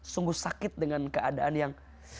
sungguh sakit dengan keadaan yang